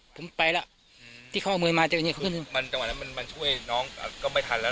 ผมไปละที่เขามือมาจากนี้เขาขึ้นมันช่วยน้องก็ไม่ทันแล้ว